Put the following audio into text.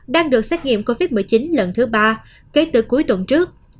đang được xét nghiệm covid một mươi chín lần thứ ba kể từ cuối tuần trước